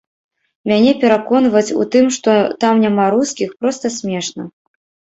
Мяне пераконваць у тым, што там няма рускіх, проста смешна.